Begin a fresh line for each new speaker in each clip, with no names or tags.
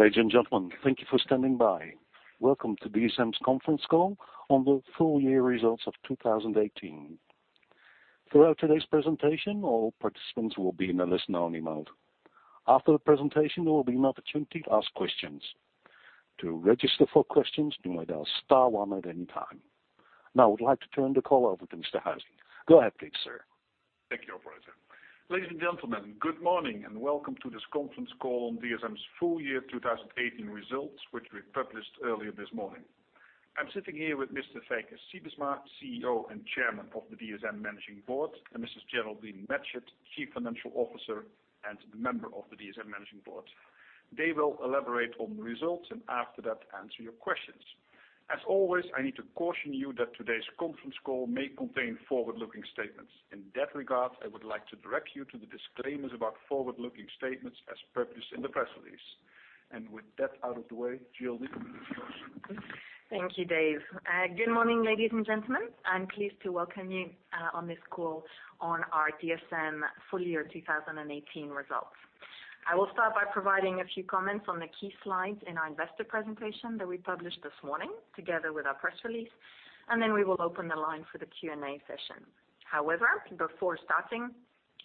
Ladies and gentlemen, thank you for standing by. Welcome to DSM's conference call on the full-year results of 2018. Throughout today's presentation, all participants will be in a listen-only mode. After the presentation, there will be an opportunity to ask questions. To register for questions, dial star one at any time. Now I would like to turn the call over to Mr. Huizing. Go ahead please, sir.
Thank you, operator. Ladies and gentlemen, good morning and welcome to this conference call on DSM's full-year 2018 results, which we published earlier this morning. I'm sitting here with Mr. Feike Sijbesma, CEO and Chairman of the DSM Managing Board, and Mrs. Geraldine Matchett, Chief Financial Officer, and the member of the DSM Managing Board. They will elaborate on the results, and after that, answer your questions. As always, I need to caution you that today's conference call may contain forward-looking statements. In that regard, I would like to direct you to the disclaimers about forward-looking statements as perused in the press release. With that out of the way, Geraldine, over to you.
Thank you, Dave. Good morning, ladies and gentlemen. I'm pleased to welcome you on this call on our DSM full-year 2018 results. I will start by providing a few comments on the key slides in our investor presentation that we published this morning, together with our press release. Then we will open the line for the Q&A session. However, before starting,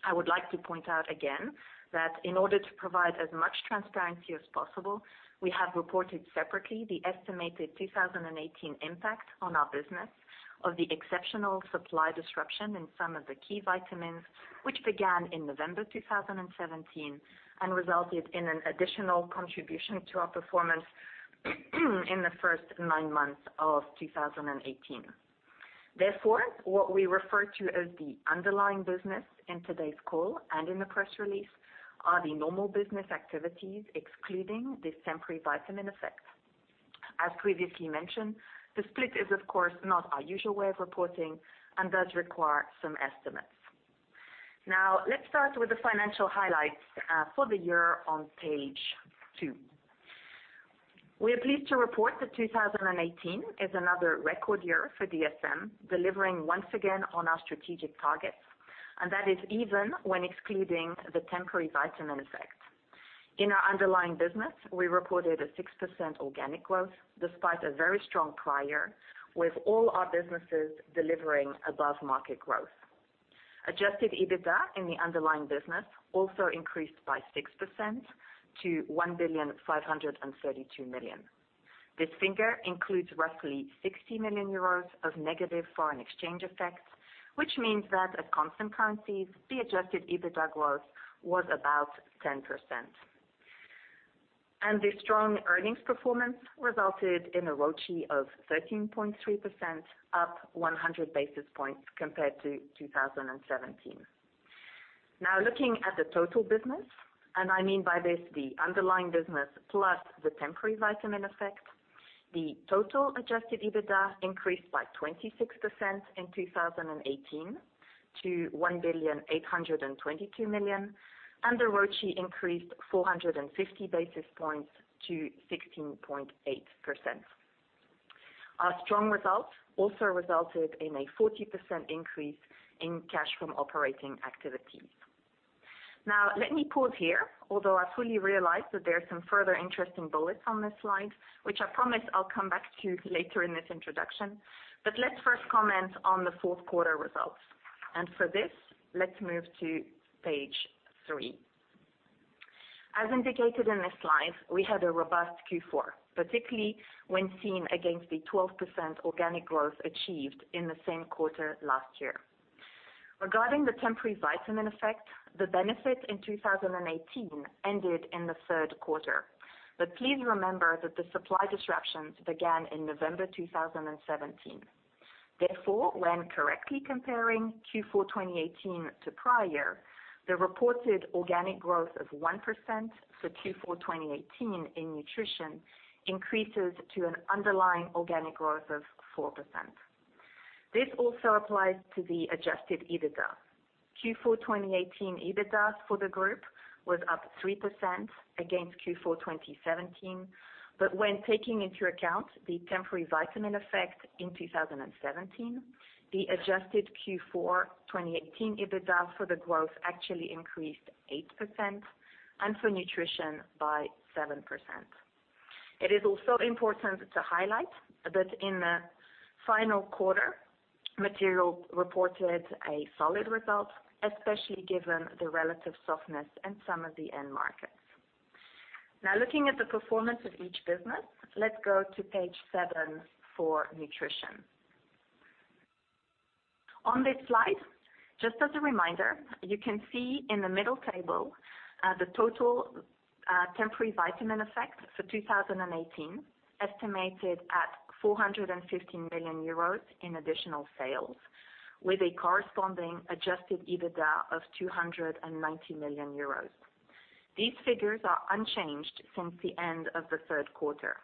I would like to point out again that in order to provide as much transparency as possible, we have reported separately the estimated 2018 impact on our business of the exceptional supply disruption in some of the key vitamins, which began in November 2017 and resulted in an additional contribution to our performance in the first nine months of 2018. Therefore, what we refer to as the underlying business in today's call and in the press release are the normal business activities, excluding this temporary vitamin effect. As previously mentioned, the split is, of course, not our usual way of reporting and does require some estimates. Let's start with the financial highlights for the year on page two. We are pleased to report that 2018 is another record year for DSM, delivering once again on our strategic targets. That is even when excluding the temporary vitamin effect. In our underlying business, we reported a 6% organic growth despite a very strong prior, with all our businesses delivering above market growth. Adjusted EBITDA in the underlying business also increased by 6% to 1.532 billion. This figure includes roughly 60 million euros of negative foreign exchange effects, which means that at constant currencies, the adjusted EBITDA growth was about 10%. The strong earnings performance resulted in a ROCE of 13.3%, up 100 basis points compared to 2017. Looking at the total business, I mean by this the underlying business plus the temporary vitamin effect, the total adjusted EBITDA increased by 26% in 2018 to 1.822 billion, and the ROCE increased 450 basis points to 16.8%. Our strong results also resulted in a 40% increase in cash from operating activities. Let me pause here, although I fully realize that there are some further interesting bullets on this slide, which I promise I'll come back to later in this introduction. Let's first comment on the fourth quarter results. For this, let's move to page three. As indicated in this slide, we had a robust Q4, particularly when seen against the 12% organic growth achieved in the same quarter last year. Regarding the temporary vitamin effect, the benefit in 2018 ended in the third quarter. Please remember that the supply disruptions began in November 2017. Therefore, when correctly comparing Q4 2018 to prior, the reported organic growth of 1% for Q4 2018 in nutrition increases to an underlying organic growth of 4%. This also applies to the adjusted EBITDA. Q4 2018 EBITDA for the group was up 3% against Q4 2017. When taking into account the temporary vitamin effect in 2017, the adjusted Q4 2018 EBITDA for the growth actually increased 8%, and for nutrition by 7%. It is also important to highlight that in the final quarter, Materials reported a solid result, especially given the relative softness in some of the end markets. Looking at the performance of each business, let's go to page seven for nutrition. On this slide, just as a reminder, you can see in the middle table, the total temporary vitamin effect for 2018, estimated at 450 million euros in additional sales, with a corresponding adjusted EBITDA of 290 million euros. These figures are unchanged since the end of the third quarter.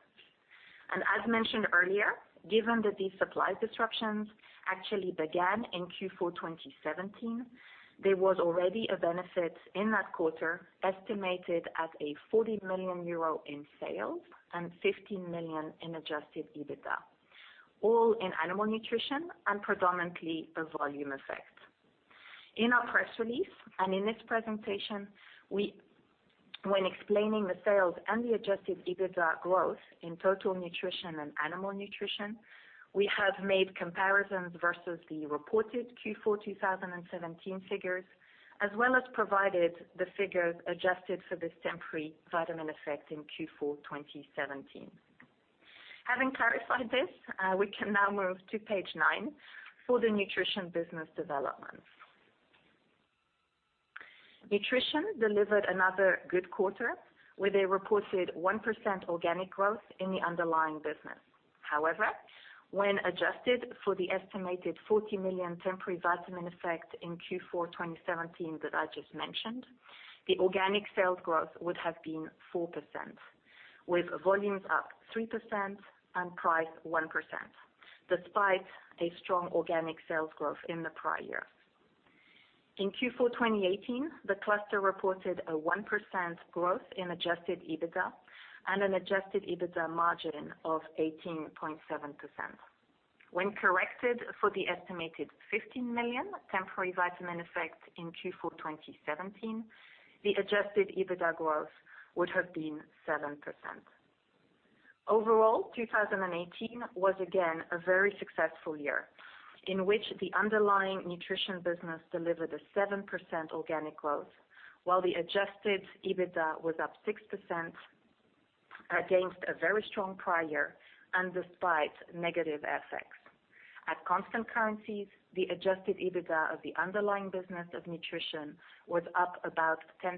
As mentioned earlier, given that these supply disruptions actually began in Q4 2017, there was already a benefit in that quarter, estimated at 40 million euro in sales and 15 million in adjusted EBITDA, all in animal nutrition and predominantly a volume effect. In our press release and in this presentation, when explaining the sales and the adjusted EBITDA growth in total nutrition and animal nutrition, we have made comparisons versus the reported Q4 2017 figures, as well as provided the figures adjusted for this temporary vitamin effect in Q4 2017. Having clarified this, we can now move to page nine for the nutrition business development. Nutrition delivered another good quarter, with a reported 1% organic growth in the underlying business. However, when adjusted for the estimated 40 million temporary vitamin effect in Q4 2017 that I just mentioned, the organic sales growth would have been 4%, with volumes up 3% and price 1%, despite a strong organic sales growth in the prior. In Q4 2018, the cluster reported a 1% growth in adjusted EBITDA and an adjusted EBITDA margin of 18.7%. When corrected for the estimated 15 million temporary vitamin effect in Q4 2017, the adjusted EBITDA growth would have been 7%. Overall, 2018 was again a very successful year, in which the underlying nutrition business delivered a 7% organic growth, while the adjusted EBITDA was up 6% against a very strong prior and despite negative FX. At constant currencies, the adjusted EBITDA of the underlying business of nutrition was up about 10%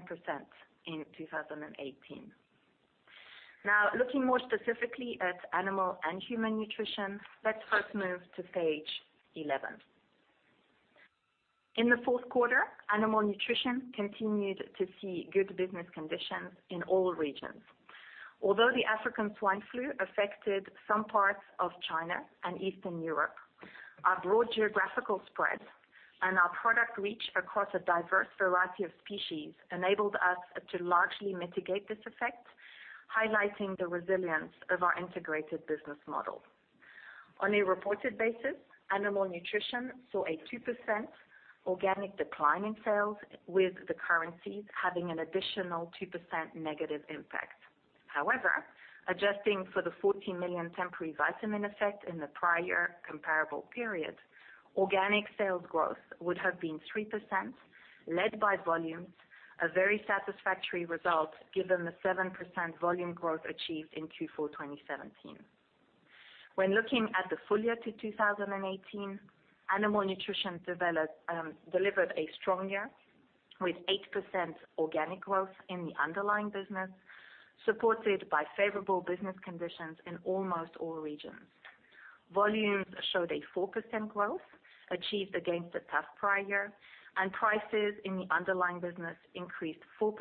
in 2018. Looking more specifically at animal and human nutrition, let's first move to page 11. In the fourth quarter, animal nutrition continued to see good business conditions in all regions. Although the African swine fever affected some parts of China and Eastern Europe, our broad geographical spread and our product reach across a diverse variety of species enabled us to largely mitigate this effect, highlighting the resilience of our integrated business model. On a reported basis, animal nutrition saw a 2% organic decline in sales, with the currencies having an additional 2% negative impact. However, adjusting for the 40 million temporary vitamin effect in the prior comparable period, organic sales growth would have been 3%, led by volumes, a very satisfactory result given the 7% volume growth achieved in Q4 2017. When looking at the full-year to 2018, animal nutrition delivered a strong year, with 8% organic growth in the underlying business, supported by favorable business conditions in almost all regions. Volumes showed a 4% growth achieved against the tough prior year, and prices in the underlying business increased 4%,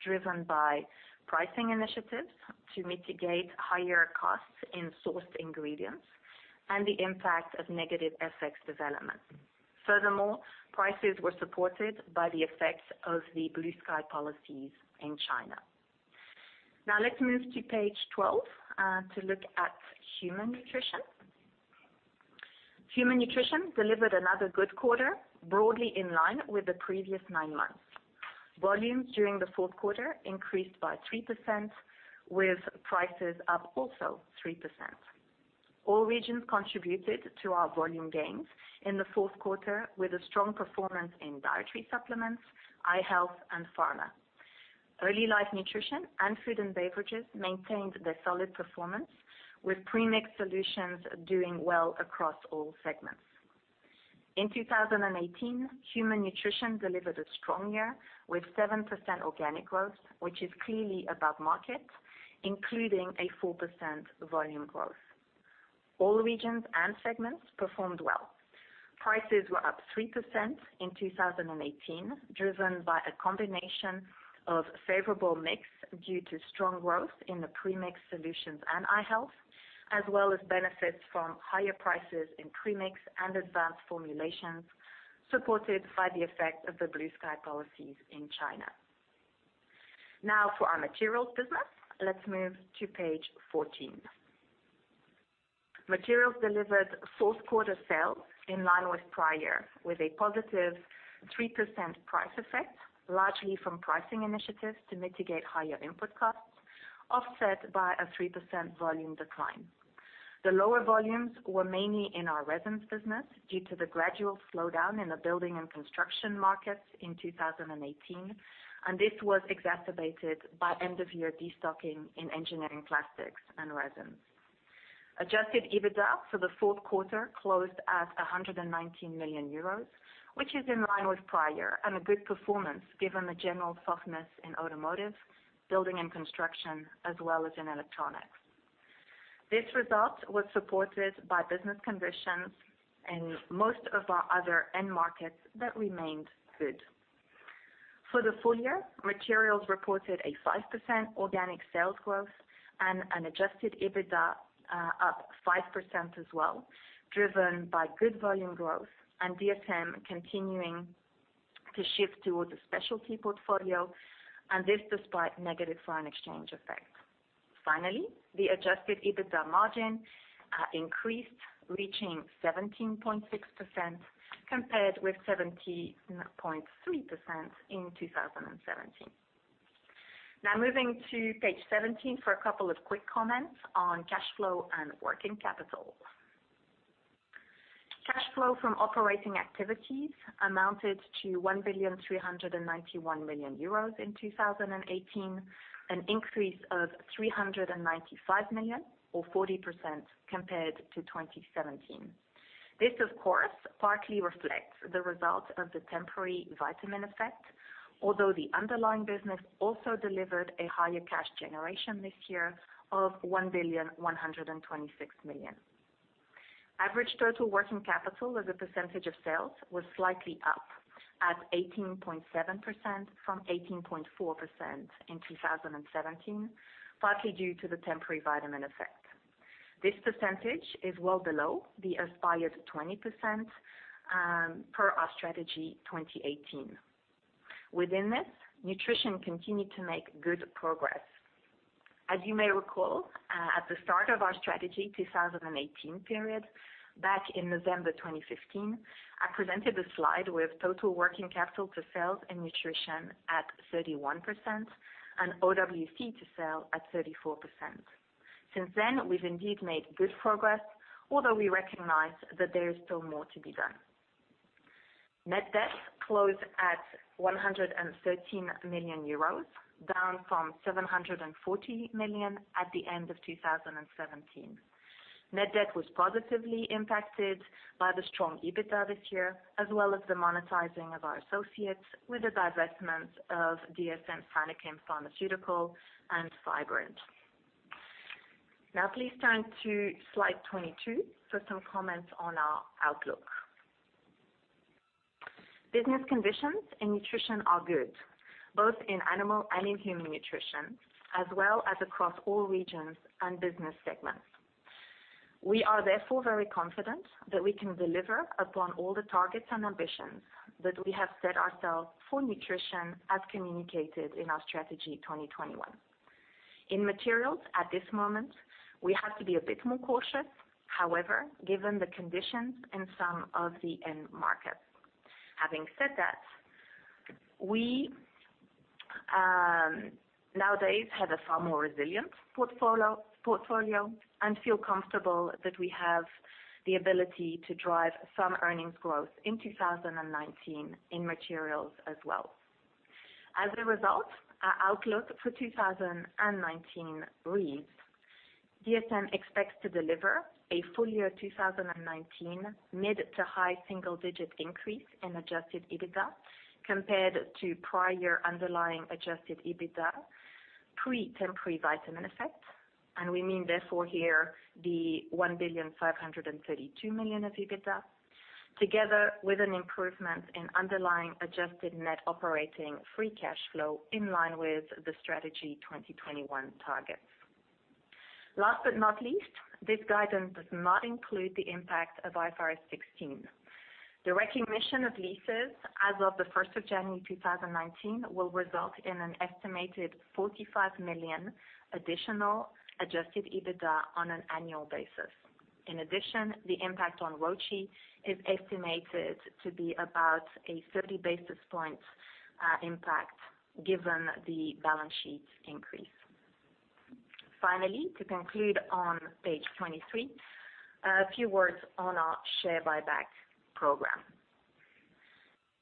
driven by pricing initiatives to mitigate higher costs in sourced ingredients and the impact of negative FX development. Furthermore, prices were supported by the effects of the Blue Sky policies in China. Let's move to page 12 to look at human nutrition. Human nutrition delivered another good quarter, broadly in line with the previous nine months. Volumes during the fourth quarter increased by 3%, with prices up also 3%. All regions contributed to our volume gains in the fourth quarter, with a strong performance in dietary supplements, eye health, and pharma. Early life nutrition and food and beverages maintained their solid performance, with premix solutions doing well across all segments. In 2018, human nutrition delivered a strong year, with 7% organic growth, which is clearly above market, including a 4% volume growth. All regions and segments performed well. Prices were up 3% in 2018, driven by a combination of favorable mix due to strong growth in the premix solutions and eye health, as well as benefits from higher prices in premix and advanced formulations, supported by the effect of the Blue Sky policies in China. For our materials business, let's move to page 14. Materials delivered fourth quarter sales in line with prior, with a positive 3% price effect, largely from pricing initiatives to mitigate higher input costs, offset by a 3% volume decline. The lower volumes were mainly in our resins business due to the gradual slowdown in the building and construction markets in 2018, and this was exacerbated by end-of-year destocking in engineering plastics and resins. Adjusted EBITDA for the fourth quarter closed at 119 million euros, which is in line with prior and a good performance given the general softness in automotive, building and construction, as well as in electronics. This result was supported by business conditions in most of our other end markets that remained good. For the full-year, materials reported a 5% organic sales growth and an adjusted EBITDA up 5% as well, driven by good volume growth and DSM continuing to shift towards a specialty portfolio, and this despite negative foreign exchange effects. Finally, the adjusted EBITDA margin increased, reaching 17.6%, compared with 17.3% in 2017. Moving to page 17 for a couple of quick comments on cash flow and working capital. Cash flow from operating activities amounted to 1.391 billion in 2018, an increase of 395 million or 40% compared to 2017. This, of course, partly reflects the result of the temporary vitamin effect, although the underlying business also delivered a higher cash generation this year of 1.126 billion. Average total working capital as a percentage of sales was slightly up at 18.7% from 18.4% in 2017, partly due to the temporary vitamin effect. This percentage is well below the aspired 20% per our Strategy 2018. Within this, nutrition continued to make good progress. As you may recall, at the start of our Strategy 2018 period, back in November 2015, I presented a slide with total working capital to sales and nutrition at 31% and OWC to sale at 34%. Since then, we've indeed made good progress, although we recognize that there is still more to be done. Net debt closed at 113 million euros, down from 740 million at the end of 2017. Net debt was positively impacted by the strong EBITDA this year, as well as the monetizing of our associates with the divestment of DSM Sinochem Pharmaceuticals and Fibrant. Please turn to slide 22 for some comments on our outlook. Business conditions in nutrition are good, both in animal and in human nutrition, as well as across all regions and business segments. We are therefore very confident that we can deliver upon all the targets and ambitions that we have set ourselves for nutrition as communicated in our Strategy 2021. In materials, at this moment, we have to be a bit more cautious, however, given the conditions in some of the end markets. Having said that, we nowadays have a far more resilient portfolio and feel comfortable that we have the ability to drive some earnings growth in 2019 in materials as well. As a result, our outlook for 2019 reads: DSM expects to deliver a full-year 2019 mid to high single-digit increase in adjusted EBITDA compared to prior underlying adjusted EBITDA pre-temporary vitamin effect. We mean therefore here the 1.532 billion of EBITDA, together with an improvement in underlying adjusted net operating free cash flow in line with the Strategy 2021 targets. Last but not least, this guidance does not include the impact of IFRS 16. The recognition of leases as of the 1st of January 2019 will result in an estimated 45 million additional adjusted EBITDA on an annual basis. In addition, the impact on ROCE is estimated to be about a 30 basis point impact given the balance sheet increase. Finally, to conclude on page 23, a few words on our share buyback program.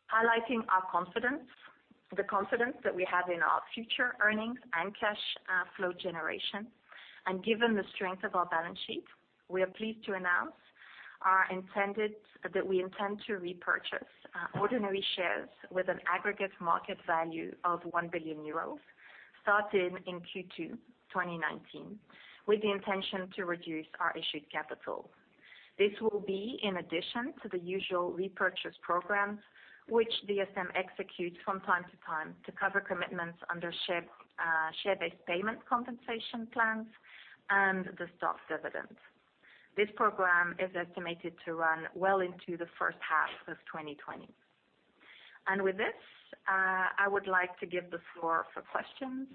Highlighting our confidence, the confidence that we have in our future earnings and cash flow generation, and given the strength of our balance sheet, we are pleased to announce that we intend to repurchase ordinary shares with an aggregate market value of 1 billion euros starting in Q2 2019, with the intention to reduce our issued capital. This will be in addition to the usual repurchase programs which DSM executes from time to time to cover commitments under share-based payment compensation plans and the stock dividend. This program is estimated to run well into the first half of 2020. With this, I would like to give the floor for questions.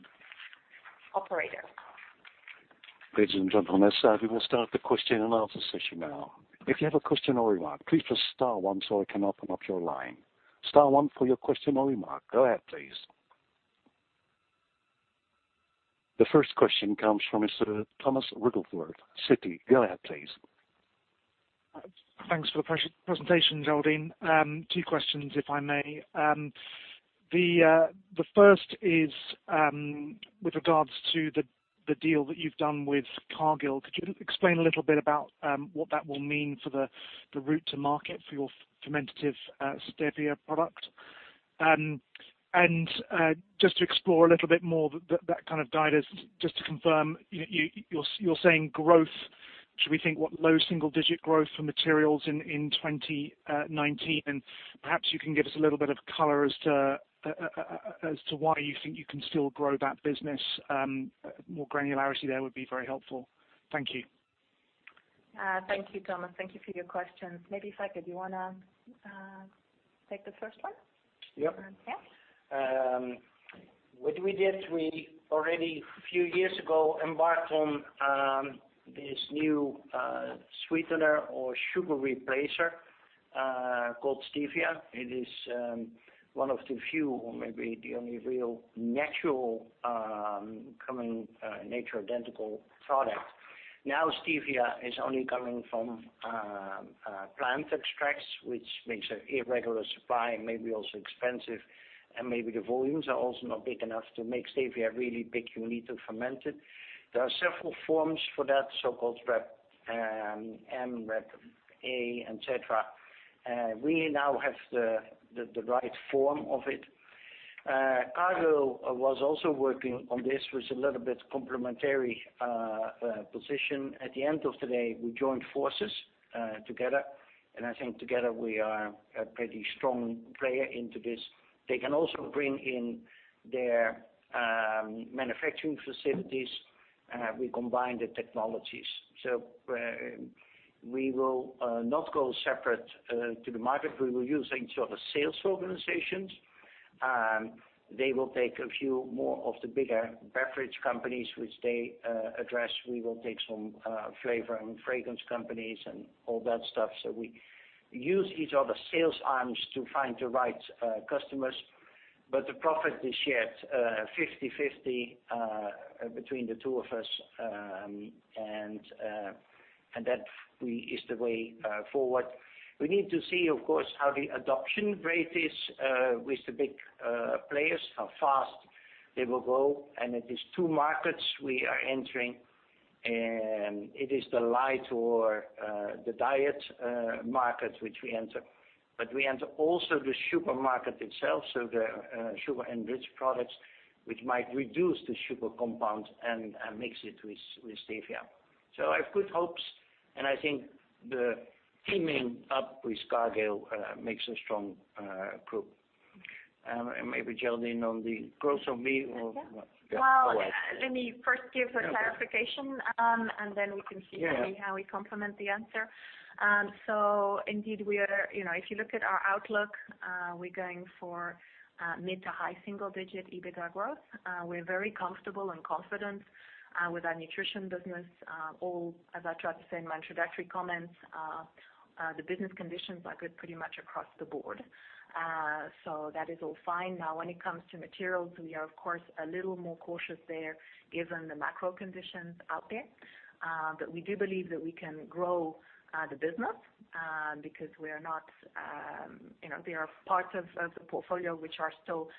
Operator.
Ladies and gentlemen, we will start the question and answer session now. If you have a question or a remark, please press star one so I can open up your line. Star one for your question or remark. Go ahead, please. The first question comes from Mr. Thomas Wrigglesworth, Citi. Go ahead, please.
Thanks for the presentation, Geraldine. Two questions, if I may. The first is with regards to the deal that you've done with Cargill. Could you explain a little bit about what that will mean for the route to market for your fermentative stevia product? Just to explore a little bit more, that kind of guidance, just to confirm, you're saying growth. Should we think what low single digit growth for materials in 2019? Perhaps you can give us a little bit of color as to why you think you can still grow that business. More granularity there would be very helpful. Thank you.
Thank you, Thomas. Thank you for your questions. Maybe, Feike, do you want to take the first one?
Yep.
Okay.
What we did, we already, a few years ago, embarked on this new sweetener or sugar replacer called stevia. It is one of the few, or maybe the only real natural coming nature-identical product. Stevia is only coming from plant extracts, which makes an irregular supply, maybe also expensive, and maybe the volumes are also not big enough to make stevia really big. You need to ferment it. There are several forms for that, so-called Reb M, Reb A, et cetera. We now have the right form of it. Cargill was also working on this, was a little bit complementary position. At the end of the day, we joined forces together, and I think together we are a pretty strong player into this. They can also bring in their manufacturing facilities. We combine the technologies. We will not go separate to the market. We will use each other's sales organizations. They will take a few more of the bigger beverage companies which they address. We will take some flavor and fragrance companies and all that stuff. We use each other's sales arms to find the right customers. The profit is shared 50/50 between the two of us, and that is the way forward. We need to see, of course, how the adoption rate is with the big players, how fast they will go, and it is two markets we are entering. It is the light or the diet market which we enter. We enter also the supermarket itself, so the sugar-enriched products, which might reduce the sugar compound and mix it with stevia. I have good hopes, and I think the teaming up with Cargill makes a strong group. Maybe Geraldine on the growth of me or what? Go ahead.
Well, let me first give a clarification, and then we can see.
Yeah.
Maybe how we complement the answer. Indeed, if you look at our outlook, we're going for mid to high single-digit EBITDA growth. We're very comfortable and confident with our Nutrition business, or as I tried to say in my introductory comments, the business conditions are good pretty much across the board. That is all fine. Now when it comes to Materials, we are, of course, a little more cautious there given the macro conditions out there. We do believe that we can grow the business because there are parts of the portfolio which are still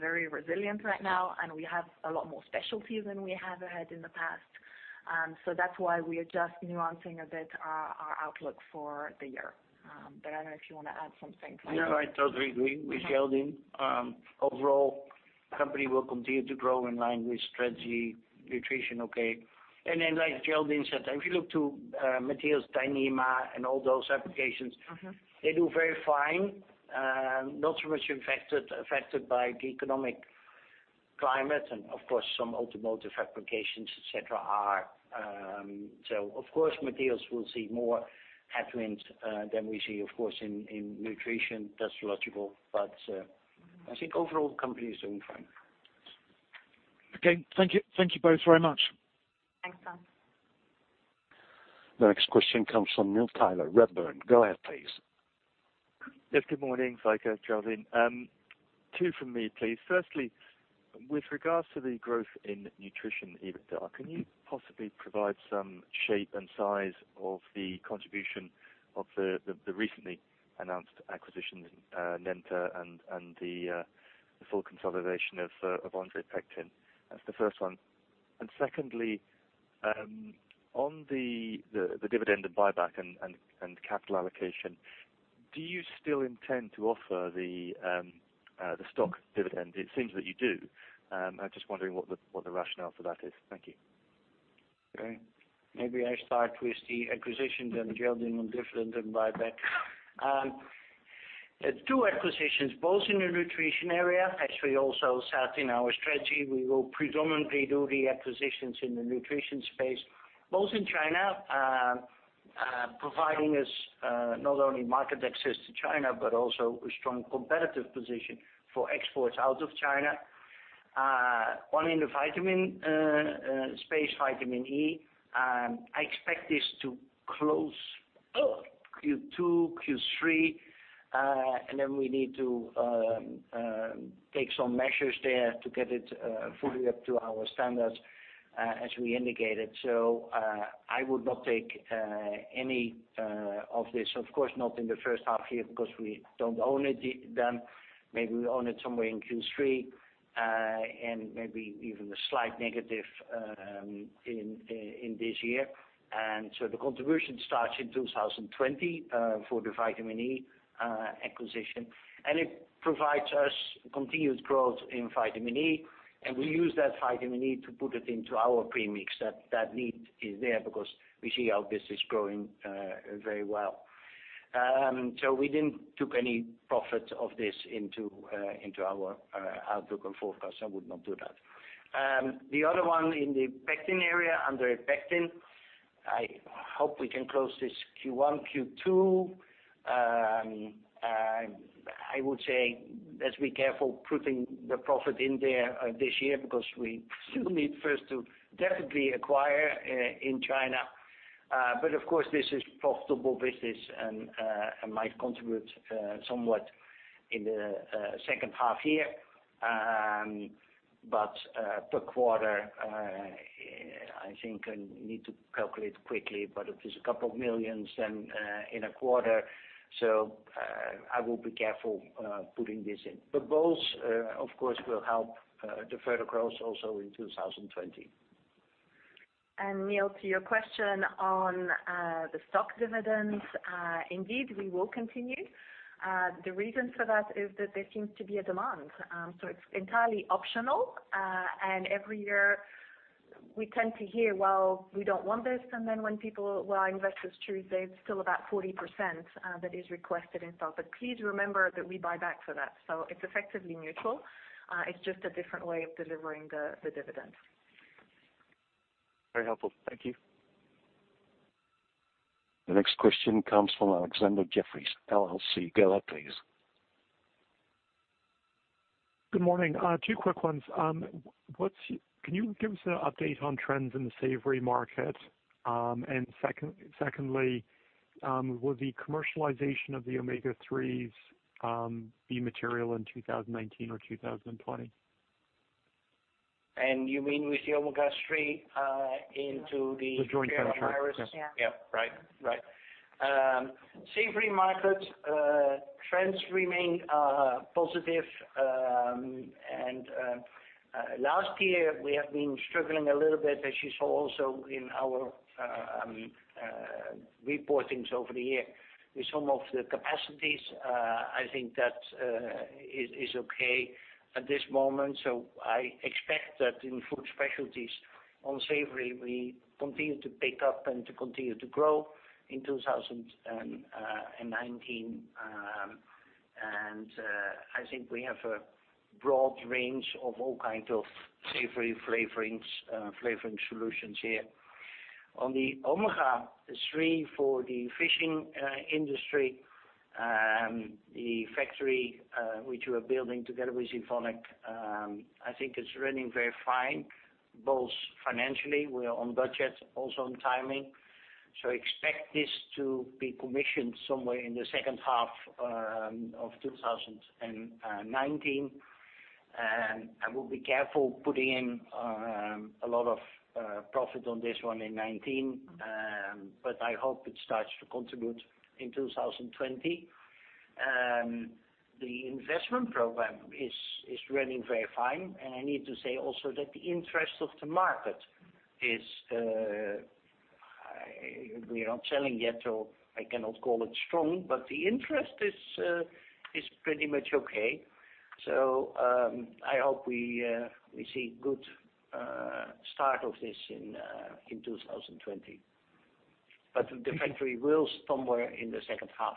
very resilient right now, and we have a lot more specialties than we have had in the past. That's why we are just nuancing a bit our outlook for the year. I don't know if you want to add something, Feike.
No, I totally agree with Geraldine. Overall, company will continue to grow in line with strategy, nutrition okay. Then, like Geraldine said, if you look to materials, Dyneema and all those applications, they do very fine. Not so much affected by the economic climate and, of course, some automotive applications, et cetera, are. Of course, materials will see more headwinds than we see, of course, in nutrition. That's logical. I think overall, the company is doing fine.
Okay. Thank you both very much.
Thanks, Thomas.
The next question comes from Neil Tyler, Redburn. Go ahead, please.
Yes, good morning, Feike, Geraldine. Two from me, please. Firstly, with regards to the growth in Nutrition EBITDA, can you possibly provide some shape and size of the contribution of the recently announced acquisitions, Nenter and the full consolidation of Andre Pectin? That's the first one. Secondly, on the dividend and buyback and capital allocation, do you still intend to offer the stock dividend? It seems that you do. I'm just wondering what the rationale for that is. Thank you.
Okay. Maybe I start with the acquisitions and Geraldine on dividend and buyback. Two acquisitions, both in the Nutrition area. As we also said in our strategy, we will predominantly do the acquisitions in the Nutrition space, both in China, providing us not only market access to China but also a strong competitive position for exports out of China. One in the vitamin space, vitamin E. I expect this to close Q2, Q3, and then we need to take some measures there to get it fully up to our standards as we indicated. I would not take any of this, of course, not in the first half year because we don't own it then. Maybe we own it somewhere in Q3 and maybe even a slight negative in this year. The contribution starts in 2020 for the vitamin E acquisition, and it provides us continued growth in vitamin E, and we use that vitamin E to put it into our premix. That need is there because we see our business growing very well. I would not do that. The other one in the pectin area, Andre Pectin, I hope we can close this Q1, Q2. I would say, let's be careful putting the profit in there this year because we still need first to definitely acquire in China. Of course, this is profitable business and might contribute somewhat in the second half here. Per quarter, I think I need to calculate quickly, but it is a couple of millions in a quarter, I will be careful putting this in. Both, of course, will help the further growth also in 2020.
Neil, to your question on the stock dividends, indeed, we will continue. The reason for that is that there seems to be a demand. It's entirely optional, and every year we tend to hear, "Well, we don't want this." And then when people, well, investors choose, there's still about 40% that is requested and so on. Please remember that we buy back for that, so it's effectively neutral. It's just a different way of delivering the dividend.
Very helpful. Thank you.
The next question comes from Laurence Alexander, Jefferies LLC. Go ahead, please.
Good morning. Two quick ones. Can you give us an update on trends in the savory market? Secondly, will the commercialization of the omega-3s be material in 2019 or 2020?
You mean with the omega-3 into the-
The joint venture.
Yeah.
Yeah. Right. Savory market trends remain positive. Last year, we have been struggling a little bit, as you saw also in our reportings over the year, with some of the capacities. I think that is okay at this moment. I expect that in Food Specialties on savory, we continue to pick up and to continue to grow in 2019. I think we have a broad range of all kinds of savory flavoring solutions here. On the omega-3 for the fishing industry, the factory, which we're building together with Evonik, I think is running very fine, both financially, we are on budget, also on timing. Expect this to be commissioned somewhere in the second half of 2019. I will be careful putting in a lot of profit on this one in 2019. I hope it starts to contribute in 2020. The investment program is running very fine. I need to say also that the interest of the market is. We are not selling yet, so I cannot call it strong, but the interest is pretty much okay. I hope we see good start of this in 2020. The factory will somewhere in the second half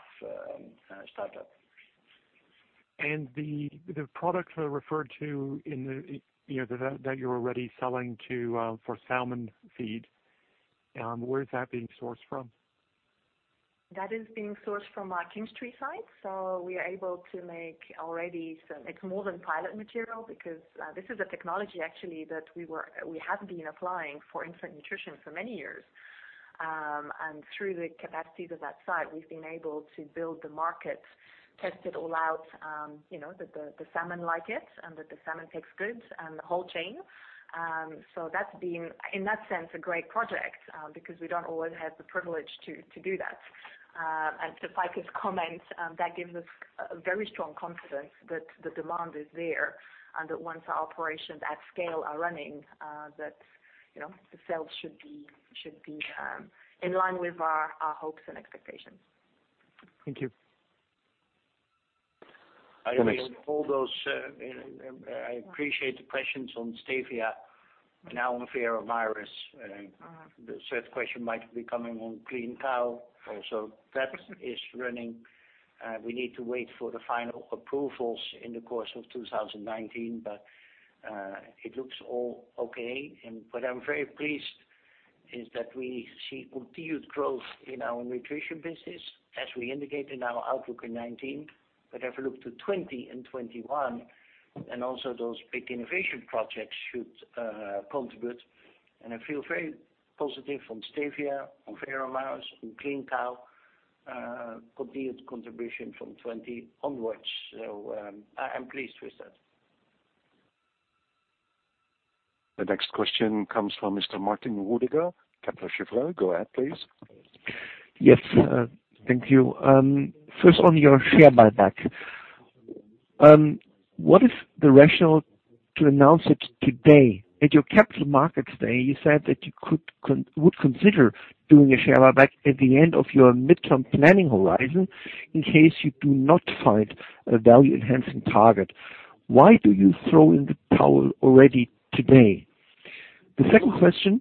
start up.
The products that are referred to that you're already selling for salmon feed, where is that being sourced from?
That is being sourced from our Kingstree site. We are able to make already some, it's more than pilot material because this is a technology actually that we have been applying for infant nutrition for many years. Through the capacities of that site, we've been able to build the market, test it all out, that the salmon like it and that the salmon takes good and the whole chain. That's been, in that sense, a great project, because we don't always have the privilege to do that. To Feike's comment, that gives us very strong confidence that the demand is there and that once our operations at scale are running, that the sales should be in line with our hopes and expectations.
Thank you.
I appreciate the questions on stevia. On Veramaris, the third question might be coming on Clean Cow also. That is running. We need to wait for the final approvals in the course of 2019, but it looks all okay. What I'm very pleased is that we see continued growth in our nutrition business as we indicated in our outlook in 2019. If we look to 2020 and 2021, also those big innovation projects should contribute. I feel very positive from stevia, on Veramaris, on Clean Cow, continued contribution from 2020 onwards. I'm pleased with that.
The next question comes from Mr. Martin Ruediger, Kepler Cheuvreux. Go ahead, please.
Yes. Thank you. First on your share buyback. What is the rationale to announce it today? At your Capital Markets Day, you said that you would consider doing a share buyback at the end of your midterm planning horizon in case you do not find a value-enhancing target. Why do you throw in the towel already today? The second question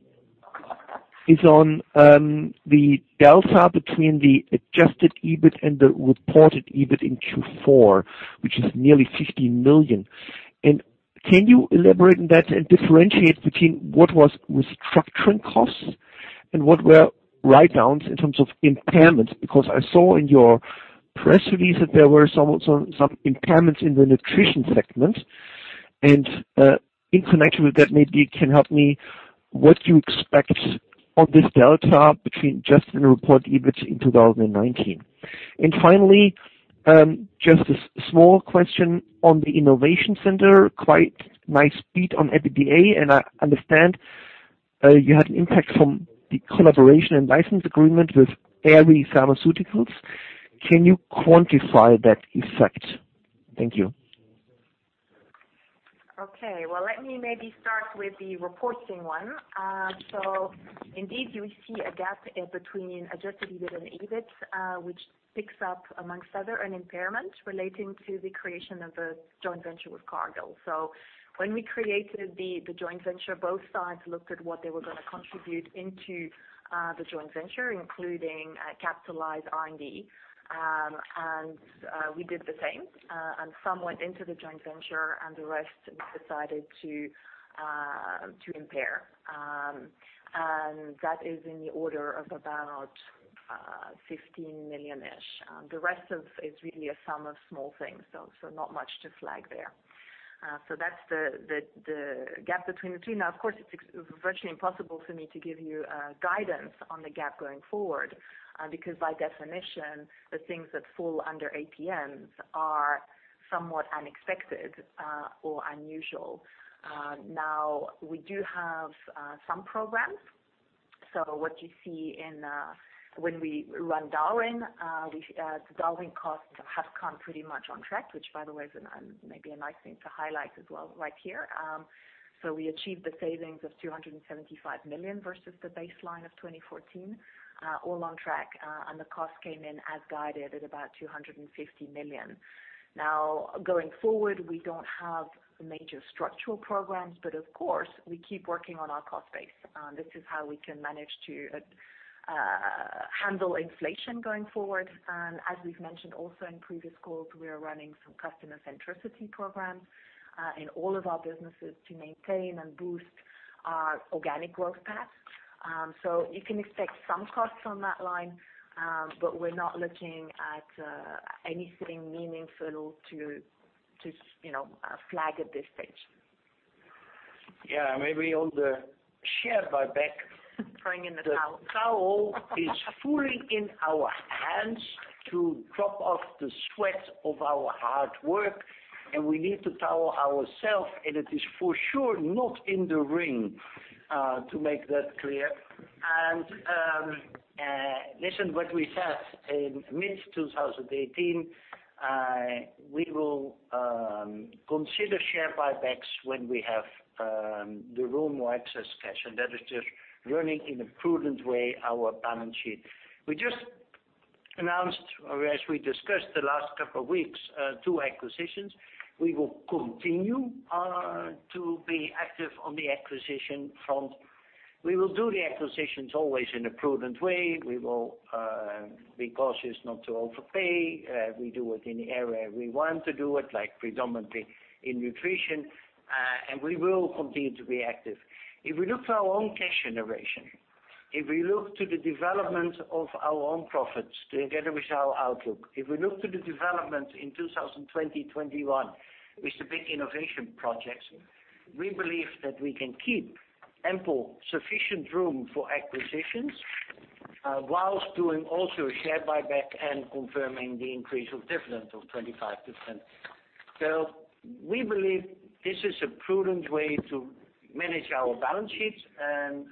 is on the delta between the adjusted EBIT and the reported EBIT in Q4, which is nearly 15 million. Can you elaborate on that and differentiate between what was restructuring costs and what were write-downs in terms of impairments? Because I saw in your press release that there were some impairments in the nutrition segment, in connection with that, maybe you can help me, what you expect on this delta between adjusted and reported EBIT in 2019. Finally, just a small question on the innovation center. Quite nice beat on EBITDA, I understand you had an impact from the collaboration and license agreement with Aerie Pharmaceuticals. Can you quantify that effect? Thank you.
Okay. Well, let me maybe start with the reporting one. Indeed, you see a gap between adjusted EBIT and EBIT, which picks up amongst other an impairment relating to the creation of a joint venture with Cargill. When we created the joint venture, both sides looked at what they were going to contribute into the joint venture, including capitalized R&D. We did the same, and some went into the joint venture and the rest we decided to impair. That is in the order of about 15 million-ish. The rest is really a sum of small things, so not much to flag there. That's the gap between the two. Now, of course, it's virtually impossible for me to give you guidance on the gap going forward, because by definition, the things that fall under APMs are somewhat unexpected or unusual. Now, we do have some programs. What you see when we run Darwin, the Darwin costs have come pretty much on track, which by the way may be a nice thing to highlight as well right here. We achieved the savings of 275 million versus the baseline of 2014, all on track, and the cost came in as guided at about 250 million. Now, going forward, we don't have major structural programs, but of course, we keep working on our cost base. This is how we can manage to handle inflation going forward. As we've mentioned also in previous calls, we are running some customer centricity programs in all of our businesses to maintain and boost our organic growth path. You can expect some costs on that line, but we're not looking at anything meaningful to flag at this stage.
Yeah, maybe on the share buyback.
Throwing in the towel.
The towel is fully in our hands to drop off the sweat of our hard work. We need to towel ourself, and it is for sure not in the ring, to make that clear. Listen, what we said in mid-2018, we will consider share buybacks when we have the room or excess cash, and that is just running in a prudent way our balance sheet. We just announced, or as we discussed the last couple weeks, two acquisitions. We will continue to be active on the acquisition front. We will do the acquisitions always in a prudent way. We will be cautious not to overpay. We do it in the area we want to do it, like predominantly in nutrition. We will continue to be active. If we look to our own cash generation, if we look to the development of our own profits together with our outlook, if we look to the development in 2020, 2021 with the big innovation projects, we believe that we can keep ample sufficient room for acquisitions whilst doing also a share buyback and confirming the increase of dividend of 25%. We believe this is a prudent way to manage our balance sheet and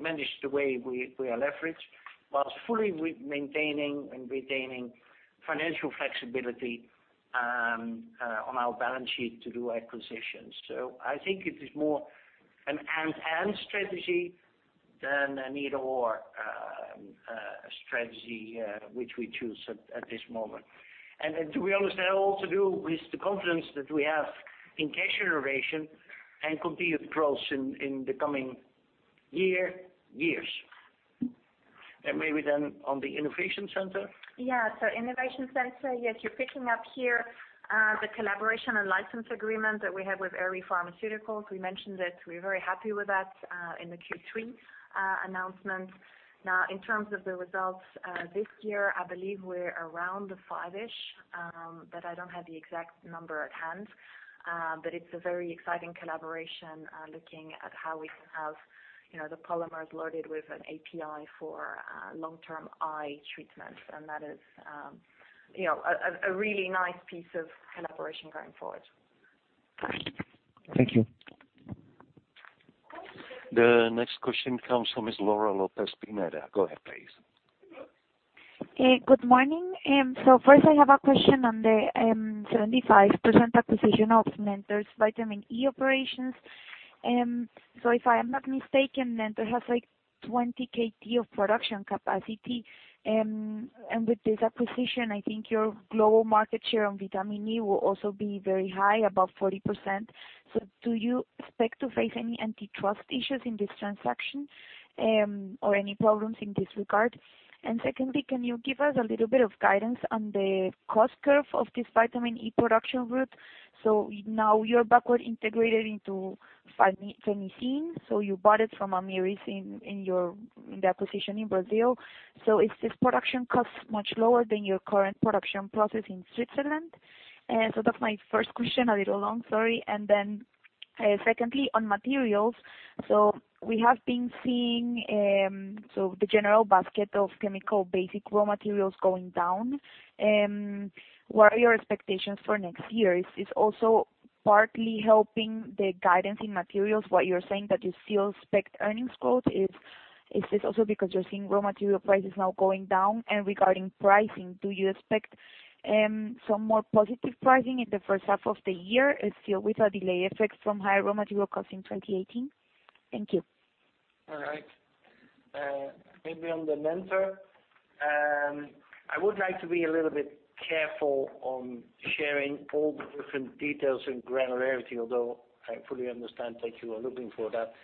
manage the way we are leveraged whilst fully maintaining and retaining financial flexibility on our balance sheet to do acquisitions. I think it is more an and strategy than a need or strategy, which we choose at this moment. To be honest, that all to do with the confidence that we have in cash generation and continued growth in the coming years. Maybe then on the innovation center?
Innovation center, yes, you're picking up here the collaboration and license agreement that we have with Aerie Pharmaceuticals. We mentioned it. We're very happy with that in the Q3 announcement. Now, in terms of the results this year, I believe we're around the five-ish, but I don't have the exact number at hand. It's a very exciting collaboration looking at how we can have the polymers loaded with an API for long-term eye treatment. That is a really nice piece of collaboration going forward.
Thank you.
The next question comes from Ms. Laura Lopez Pineda. Go ahead, please.
Good morning. First I have a question on the 75% acquisition of Nenter's vitamin E operations. If I am not mistaken, Nenter has 20 KT of production capacity. With this acquisition, I think your global market share on vitamin E will also be very high, above 40%. Do you expect to face any antitrust issues in this transaction, or any problems in this regard? Secondly, can you give us a little bit of guidance on the cost curve of this vitamin E production route? Now you're backward integrated into isophytol, you bought it from Amyris in the acquisition in Brazil. Is this production cost much lower than your current production process in Switzerland? That's my first question. A little long, sorry. Secondly, on materials. We have been seeing the general basket of chemical basic raw materials going down. What are your expectations for next year? Is this also partly helping the guidance in materials, what you're saying that you still expect earnings growth? Is this also because you're seeing raw material prices now going down? Regarding pricing, do you expect some more positive pricing in the first half of the year, still with a delay effect from higher raw material costs in 2018? Thank you.
All right. Maybe on the Nenter, I would like to be a little bit careful on sharing all the different details and granularity, although I fully understand that you are looking for that,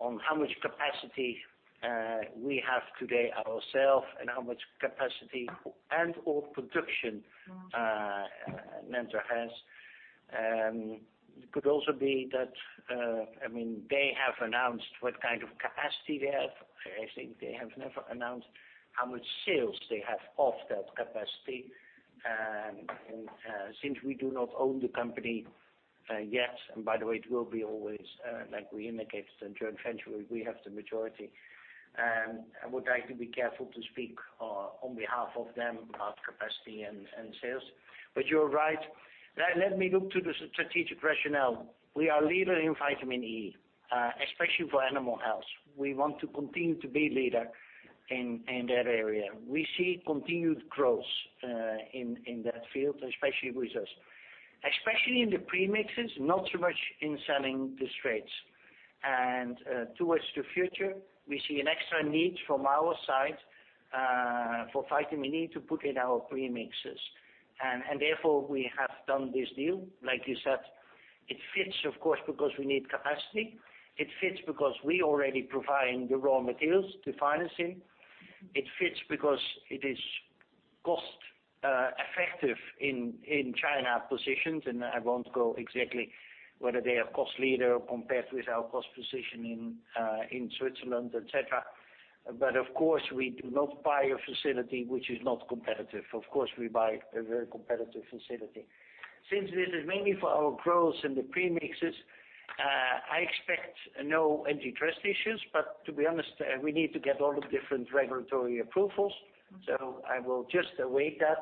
on how much capacity we have today ourself and how much capacity and/or production Nenter has. It could also be that they have announced what kind of capacity they have. I think they have never announced how much sales they have of that capacity. Since we do not own the company yet, and by the way, it will be always, like we indicated, a joint venture, we have the majority. I would like to be careful to speak on behalf of them about capacity and sales. You're right. Let me look to the strategic rationale. We are leader in vitamin E, especially for animal health. We want to continue to be leader in that area. We see continued growth in that field, especially with us. Especially in the premixes, not so much in selling the straights. Towards the future, we see an extra need from our side for vitamin E to put in our premixes. Therefore, we have done this deal. Like you said, it fits of course because we need capacity. It fits because we already provide the raw materials to isophytol. It fits because it is cost effective in China positions, and I won't go exactly whether they are cost leader compared with our cost position in Switzerland, et cetera. Of course, we do not buy a facility which is not competitive. Of course, we buy a very competitive facility. Since this is mainly for our growth in the premixes, I expect no antitrust issues, but to be honest, we need to get all the different regulatory approvals. I will just await that.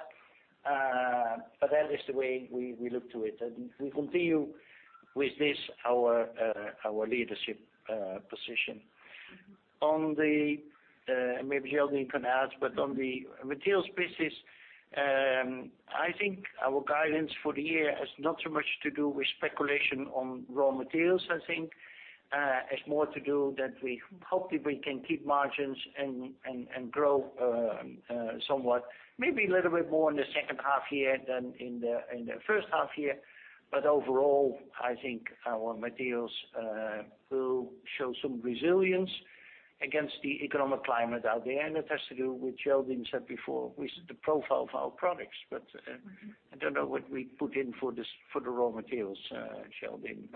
That is the way we look to it, and we continue with this, our leadership position. Maybe Geraldine can add. On the materials business, I think our guidance for the year has not so much to do with speculation on raw materials, I think. It's more to do that we hope that we can keep margins and grow somewhat, maybe a little bit more in the second half year than in the first half year. Overall, I think our materials will show some resilience against the economic climate out there. It has to do with what Geraldine said before, with the profile of our products. I don't know what we put in for the raw materials, Geraldine.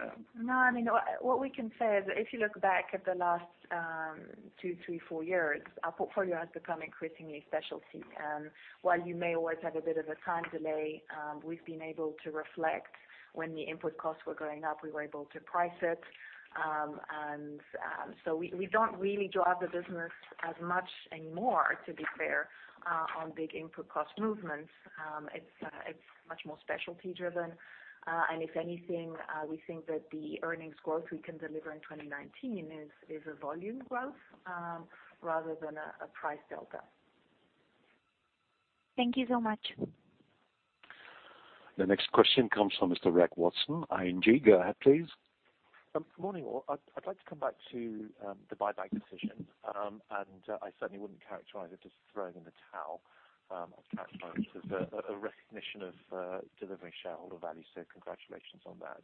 What we can say is if you look back at the last two, three, four years, our portfolio has become increasingly specialty. While you may always have a bit of a time delay, we've been able to reflect when the input costs were going up, we were able to price it. We don't really drive the business as much anymore, to be clear, on big input cost movements. It's much more specialty driven. If anything, we think that the earnings growth we can deliver in 2019 is a volume growth, rather than a price delta.
Thank you so much.
The next question comes from Mr. Rex Watson, ING. Go ahead, please.
Morning, all. I'd like to come back to the buyback decision. I certainly wouldn't characterize it as throwing in the towel. I'd characterize it as a recognition of delivering shareholder value, so congratulations on that.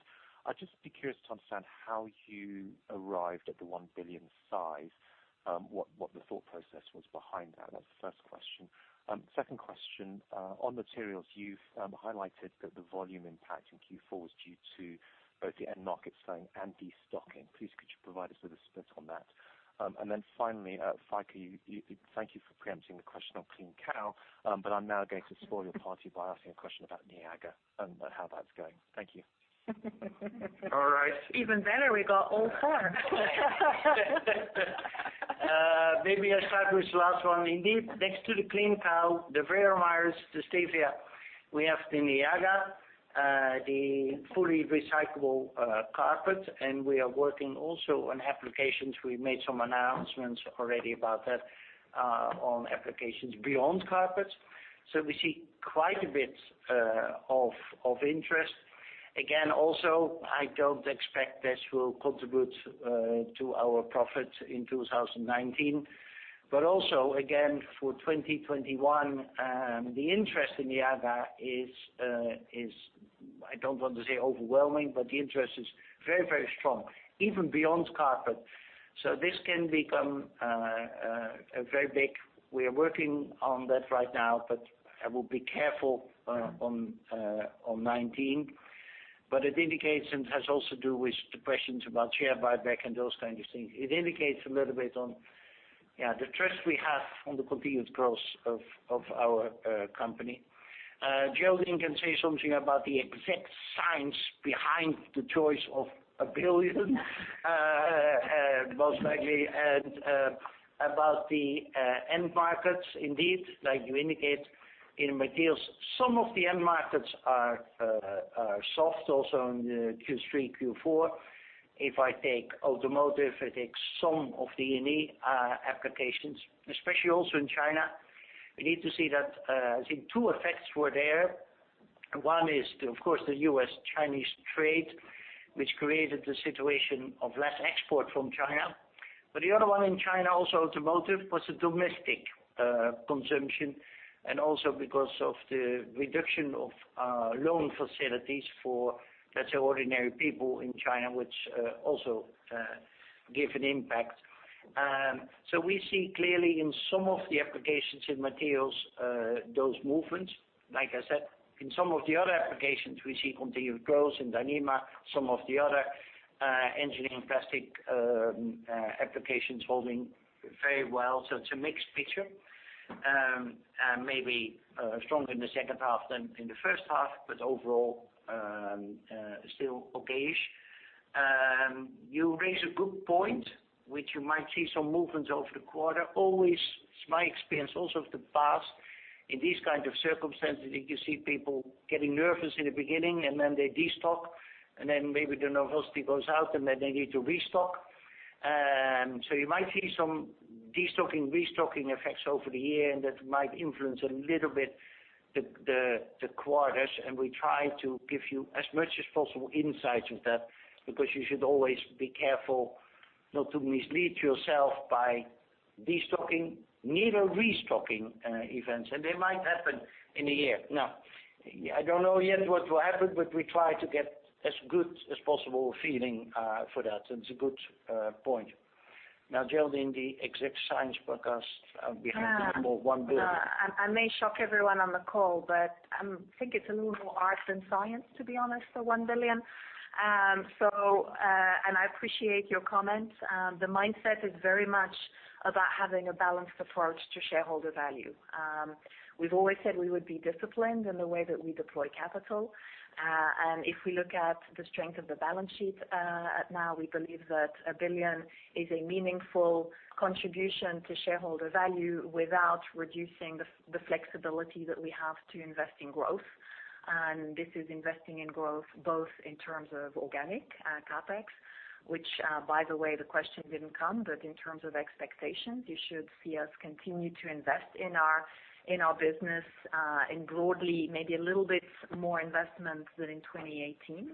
I'd just be curious to understand how you arrived at the 1 billion size, what the thought process was behind that. That's the first question. Second question, on materials, you've highlighted that the volume impact in Q4 was due to both the end market slowing and destocking. Please could you provide us with a split on that? Then finally, Feike, thank you for preempting the question on Clean Cow, but I'm now going to spoil your party by asking a question about Niaga and how that's going. Thank you.
All right.
Even better, we got all four.
Maybe I'll start with the last one. Indeed, next to the Clean Cow, the Veramaris, the stevia, we have the Niaga, the fully recyclable carpet, and we are working also on applications. We made some announcements already about that on applications beyond carpets. We see quite a bit of interest. Again, also, I don't expect this will contribute to our profit in 2019. Also, again, for 2021, the interest in Niaga is, I don't want to say overwhelming, but the interest is very strong, even beyond carpet. This can become very big. We are working on that right now, but I will be careful on 2019. It indicates and has also to do with the questions about share buyback and those kinds of things. It indicates a little bit on the trust we have on the continued growth of our company. Geraldine can say something about the exact science behind the choice of 1 billion, most likely, and about the end markets. Indeed, like you indicate in materials, some of the end markets are soft also in Q3, Q4. If I take automotive, I take some of the E&E applications, especially also in China. We need to see that I think two effects were there. One is, of course, the U.S.-Chinese trade, which created the situation of less export from China. The other one in China, also automotive, was a domestic consumption, and also because of the reduction of loan facilities for, let's say, ordinary people in China, which also gave an impact. We see clearly in some of the applications in materials, those movements. Like I said, in some of the other applications, we see continued growth in Dyneema, some of the other engineering plastic applications holding very well. It's a mixed picture. Maybe stronger in the second half than in the first half, but overall, still okay-ish. You raise a good point, which you might see some movements over the quarter. Always, it's my experience also of the past, in these kind of circumstances, you see people getting nervous in the beginning, and then they destock, and then maybe the novelty goes out, and then they need to restock. You might see some destocking, restocking effects over the year, and that might influence a little bit the quarters. We try to give you as much as possible insights of that, because you should always be careful not to mislead yourself by destocking, neither restocking events. They might happen in a year. I don't know yet what will happen, we try to get as good as possible feeling for that. It's a good point. Geraldine, the exact science behind the 1 billion.
I may shock everyone on the call, but I think it's a little more art than science, to be honest, the 1 billion. I appreciate your comments. The mindset is very much about having a balanced approach to shareholder value. We've always said we would be disciplined in the way that we deploy capital. If we look at the strength of the balance sheet now, we believe that 1 billion is a meaningful contribution to shareholder value without reducing the flexibility that we have to invest in growth. This is investing in growth both in terms of organic CapEx, which by the way, the question didn't come, but in terms of expectations, you should see us continue to invest in our business and broadly, maybe a little bit more investments than in 2018,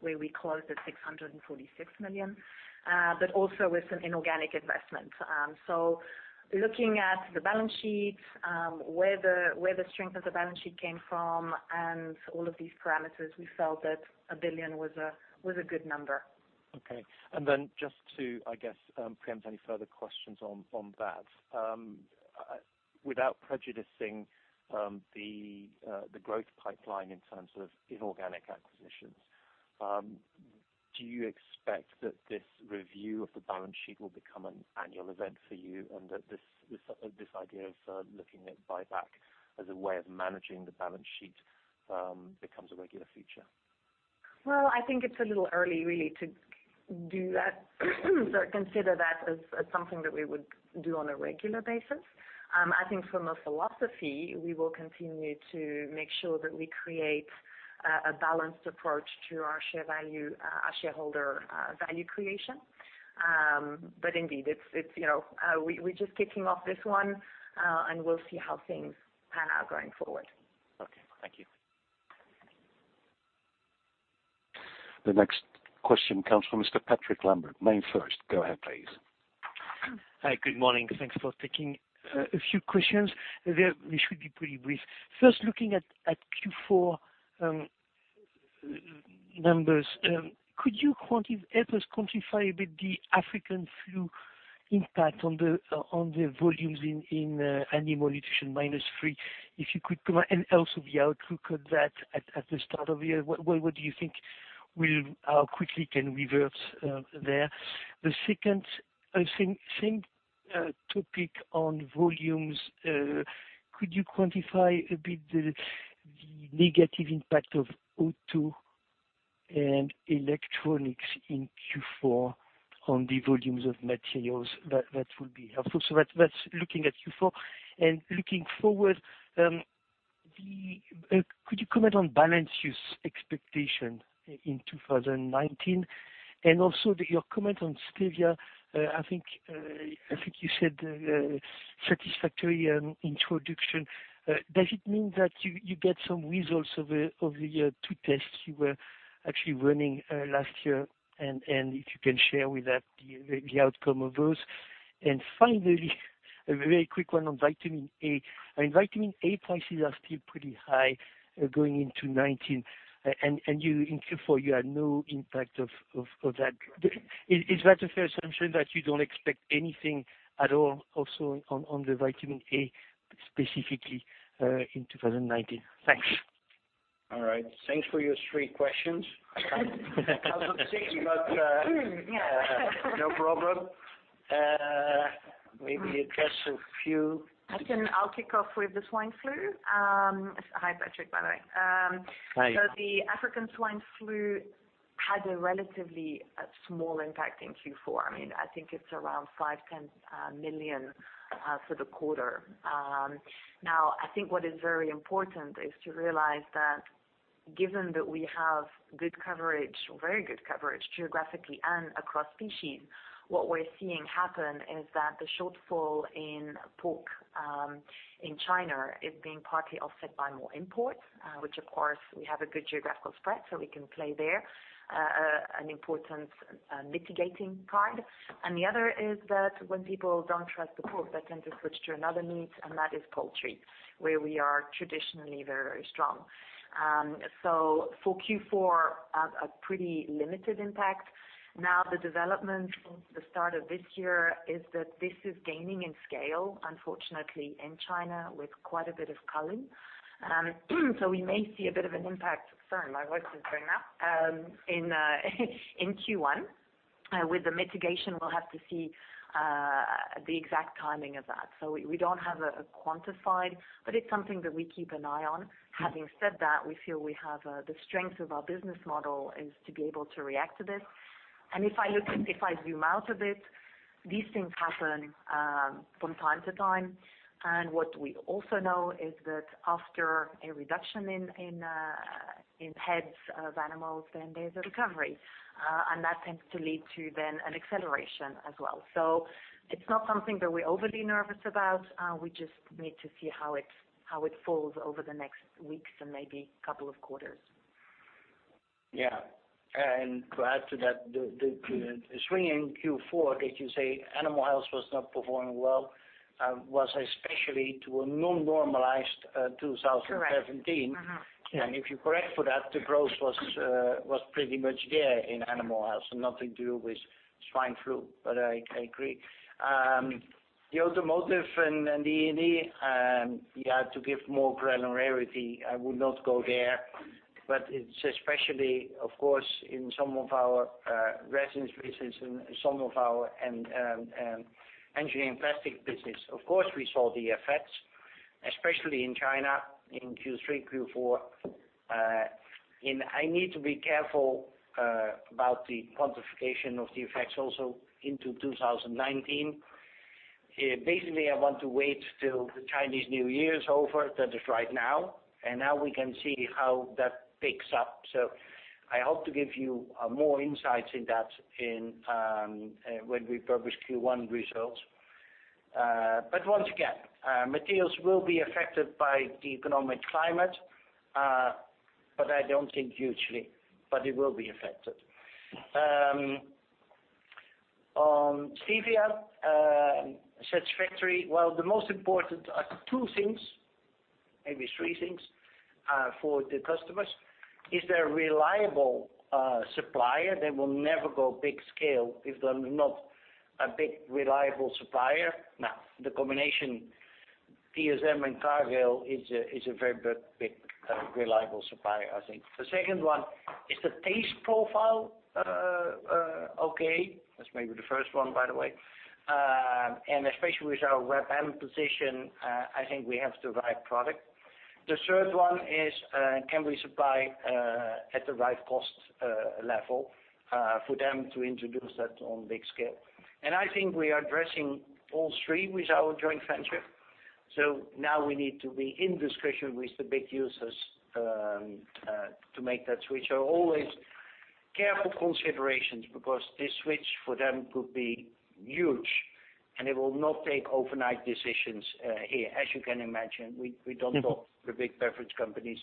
where we closed at 646 million, but also with some inorganic investments. Looking at the balance sheets, where the strength of the balance sheet came from, and all of these parameters, we felt that 1 billion was a good number.
Okay. Just to, I guess, preempt any further questions on that. Without prejudicing the growth pipeline in terms of inorganic acquisitions, do you expect that this review of the balance sheet will become an annual event for you and that this idea of looking at buyback as a way of managing the balance sheet becomes a regular feature?
I think it's a little early really to do that or consider that as something that we would do on a regular basis. I think from a philosophy, we will continue to make sure that we create a balanced approach to our shareholder value creation. Indeed, we're just kicking off this one, and we'll see how things pan out going forward.
Okay. Thank you.
The next question comes from Mr. Patrick Lambert, MainFirst. Go ahead, please.
Hi. Good morning. Thanks for taking a few questions. They should be pretty brief. First, looking at Q4 numbers, could you help us quantify a bit the African flu impact on the volumes in Animal Nutrition -3? If you could provide, and also the outlook of that at the start of the year. What do you think how quickly can reverse there? The second same topic on volumes. Could you quantify a bit the negative impact of auto and electronics in Q4 on the volumes of materials? That would be helpful. So that's looking at Q4. Looking forward, could you comment on Balancius expectation in 2019? Also your comment on stevia, I think you said satisfactory introduction. Does it mean that you get some results of the two tests you were actually running last year? If you can share with us the outcome of those. Finally, a very quick one on vitamin A. Vitamin A prices are still pretty high going into 2019, and therefore you had no impact of that. Is that a fair assumption that you don't expect anything at all also on the vitamin A specifically in 2019? Thanks.
All right. Thanks for your three questions. No problem. Maybe address a few-
I'll kick off with the swine flu. Hi, Patrick, by the way.
Hi.
The African swine fever had a relatively small impact in Q4. I think it's around 5 million-10 million for the quarter. I think what is very important is to realize that given that we have good coverage, very good coverage geographically and across species, what we're seeing happen is that the shortfall in pork in China is being partly offset by more imports, which of course we have a good geographical spread so we can play there, an important mitigating card. The other is that when people don't trust the pork, they tend to switch to another meat, and that is poultry, where we are traditionally very, very strong. For Q4, a pretty limited impact. The development from the start of this year is that this is gaining in scale, unfortunately, in China with quite a bit of culling. We may see a bit of an impact in Q1. Sorry, my voice is going now. With the mitigation, we'll have to see the exact timing of that. We don't have a quantified, but it's something that we keep an eye on. Having said that, we feel we have the strength of our business model is to be able to react to this. If I zoom out a bit, these things happen from time to time. What we also know is that after a reduction in heads of animals, then there's a recovery, and that tends to lead to then an acceleration as well. It's not something that we're overly nervous about. We just need to see how it falls over the next weeks and maybe couple of quarters.
To add to that, the swing in Q4, as you say, Animal Health was not performing well, was especially to a non-normalized 2017.
Correct.
If you correct for that, the growth was pretty much there in Animal Health and nothing to do with swine flu. I agree. The Automotive and E&E, you had to give more granularity. I would not go there, but it's especially, of course, in some of our resins business and some of our engineering plastic business. Of course, we saw the effects, especially in China in Q3, Q4. I need to be careful about the quantification of the effects also into 2019. Basically, I want to wait till the Chinese New Year is over. That is right now, and now we can see how that picks up. I hope to give you more insights in that when we publish Q1 results. Once again materials will be affected by the economic climate, but I don't think hugely, but it will be affected. On stevia, satisfactory. Well, the most important are two things, maybe three things, for the customers, is there a reliable supplier that will never go big scale if they're not a big, reliable supplier? Now, the combination DSM and Cargill is a very big, reliable supplier, I think. The second one, is the taste profile okay? That's maybe the first one, by the way. Especially with our Reb M position, I think we have the right product. The third one is, can we supply at the right cost level for them to introduce that on big scale? I think we are addressing all three with our joint venture. Now we need to be in discussion with the big users to make that switch. Always careful considerations because this switch for them could be huge, and it will not take overnight decisions here. As you can imagine, we don't talk to big beverage companies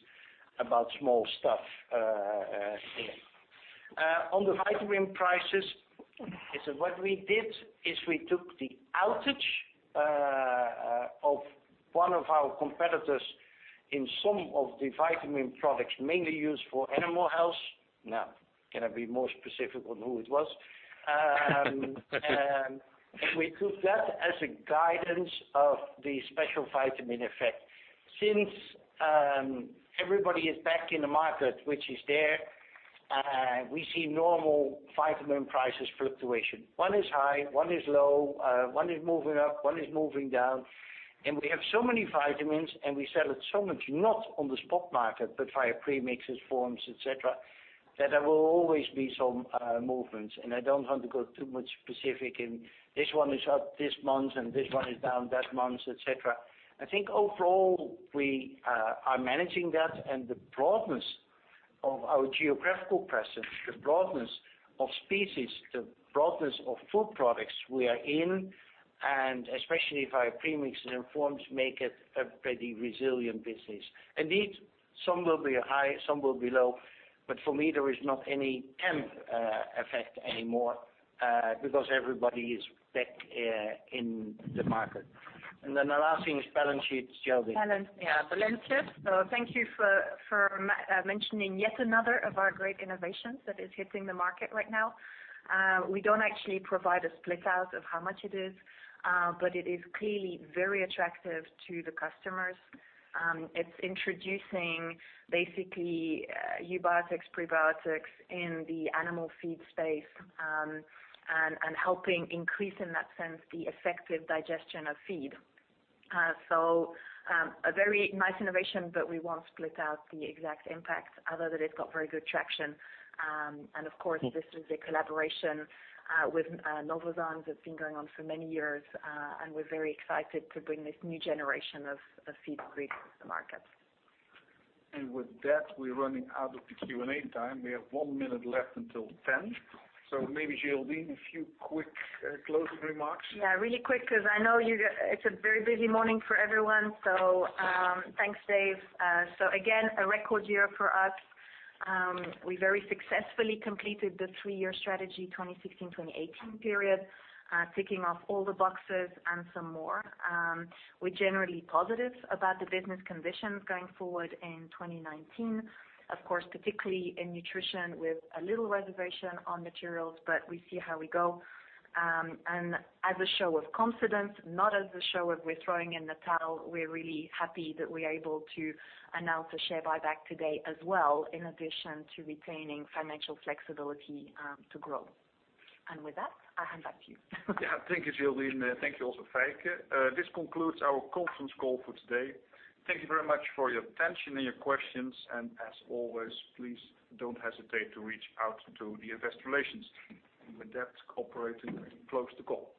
about small stuff here. On the vitamin prices, what we did is we took the outage of one of our competitors in some of the vitamin products mainly used for Animal Health. Now, we cannot be more specific on who it was. We took that as a guidance of the special vitamin effect. Since everybody is back in the market, which is there, we see normal vitamin prices fluctuation. One is high, one is low, one is moving up, one is moving down, and we have so many vitamins, and we sell it so much, not on the spot market, but via premixes, forms, et cetera. That there will always be some movements, and I don't want to go too much specific in this one is up this month and this one is down that month, et cetera. I think overall, we are managing that and the broadness of our geographical presence, the broadness of species, the broadness of food products we are in, and especially if our premixes and in-forms make it a pretty resilient business. Indeed, some will be high, some will be low. For me, there is not any amp effect anymore because everybody is back in the market. The last thing is balance sheets, Geraldine.
Balance, balance sheets. Thank you for mentioning yet another of our great innovations that is hitting the market right now. We don't actually provide a split out of how much it is, but it is clearly very attractive to the customers. It's introducing basically eubiotics, prebiotics in the animal feed space, and helping increase in that sense, the effective digestion of feed. A very nice innovation, but we won't split out the exact impact other than it got very good traction. Of course, this is a collaboration with Novozymes that's been going on for many years, and we're very excited to bring this new generation of feed grade to the market.
With that, we're running out of the Q&A time. We have one minute left until 10:00. Maybe Geraldine, a few quick closing remarks.
Really quick because I know it's a very busy morning for everyone, thanks, Dave. Again, a record year for us. We very successfully completed the three-year Strategy, 2016, 2018 period, ticking off all the boxes and some more. We're generally positive about the business conditions going forward in 2019, of course, particularly in Nutrition with a little reservation on materials, but we see how we go. As a show of confidence, not as a show of we're throwing in the towel, we're really happy that we're able to announce a share buyback today as well, in addition to retaining financial flexibility to grow. With that, I hand back to you.
Thank you, Geraldine. Thank you also, Feike. This concludes our conference call for today. Thank you very much for your attention and your questions. As always, please don't hesitate to reach out to the investor relations team. With that, operator, you may close the call.